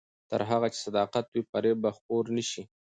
تر هغه چې صداقت وي، فریب به خپور نه شي.